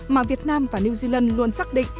mà việt nam và new zealand luôn xác định